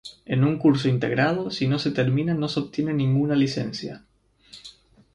En un curso integrado, si no se termina no se obtiene ninguna licencia.